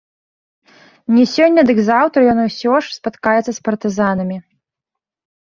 Не сёння, дык заўтра ён усё ж спаткаецца з партызанамі.